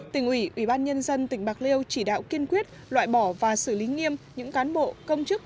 tỉnh ủy ubnd tỉnh bạc liêu chỉ đạo kiên quyết loại bỏ và xử lý nghiêm những cán bộ công chức